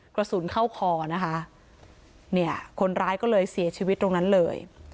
กระสุนเข้าคอนะคะเนี่ยคนร้ายก็เลยเสียชีวิตตรงนั้นเลย